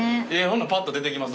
ぱっと出てきます？